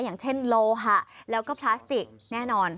อย่างเช่นโลหะแล้วก็พลาสติกแน่นอน